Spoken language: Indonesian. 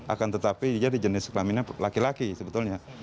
akan tetapi jadi jenis kelaminnya laki laki sebetulnya